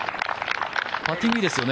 パッティングいいですよね。